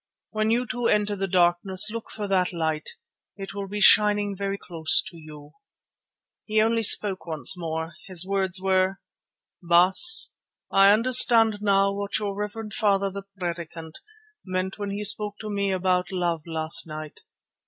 When you too enter the Darkness, look for that Light; it will be shining very close to you." He only spoke once more. His words were: "Baas, I understand now what your reverend father, the Predikant, meant when he spoke to me about Love last night.